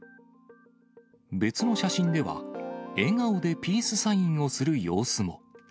別の写真では、笑顔でピースサインをする様子も。